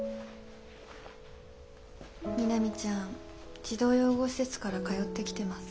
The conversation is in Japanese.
みなみちゃん児童養護施設から通ってきてます。